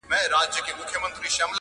داسي څانګه به له کومه څوک پیدا کړي؛